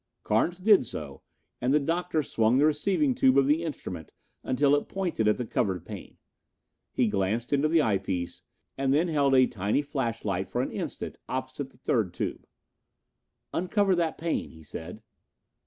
Carnes did so, and the Doctor swung the receiving tube of the instrument until it pointed at the covered pane. He glanced into the eyepiece, and then held a tiny flashlight for an instant opposite the third tube. "Uncover that pane," he said.